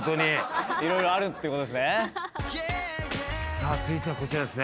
さあ続いてはこちらですね。